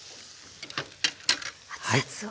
熱々を。